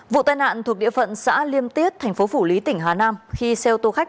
vụ tai nạn thuộc địa phận xã liêm tiết tp phủ lý tỉnh hà nam khi xeo tô khách